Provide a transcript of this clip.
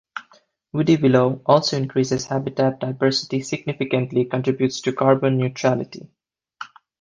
Woody willow also increases habitat diversity significantly contributes to carbon neutrality.